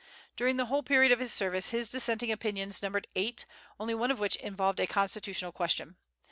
During the whole period of his service, his dissenting opinions numbered eight, only one of which involved a constitutional question.